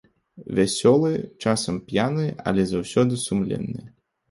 Вясёлыя, часам п'яныя, але заўсёды сумленныя.